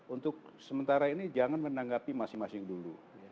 untuk sementara ini jangan menanggapi masing masing dulu